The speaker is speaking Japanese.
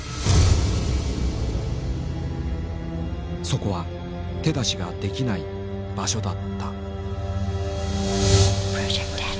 そこは手出しができない場所だった。